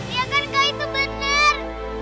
iya kan kalau itu benar